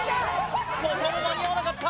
ここも間に合わなかった！